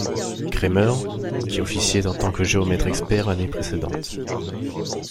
Kremer, qui officiait en tant que géomètre expert l'année précédente.